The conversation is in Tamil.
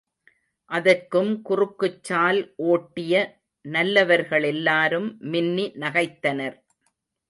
அதற்கும் குறுக்குச்சால் ஓட்டிய நல்லவர்களெல்லாரும் மின்னி நகைத்தனர்.